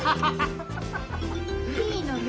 いいのよ